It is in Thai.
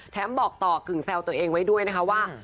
บอกต่อกึ่งแซวตัวเองไว้ด้วยนะคะว่า